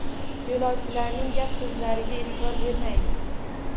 Yo‘lovchilarning gap-so‘zlariga e’tibor beraylik.